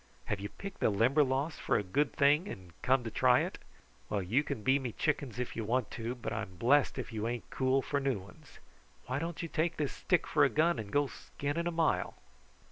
Have you picked the Limberlost for a good thing and come to try it? Well, you can be me chickens if you want to, but I'm blest if you ain't cool for new ones. Why don't you take this stick for a gun and go skinning a mile?"